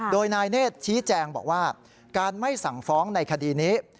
โดยนายเนธชี้แจงบอกว่าการไม่สั่งฟ้องในคดีนี้